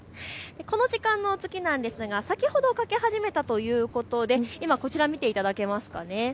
この時間の月なんですが先ほど欠け始めたということで今、こちらを見ていただけますか。